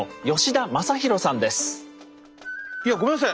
いやごめんなさい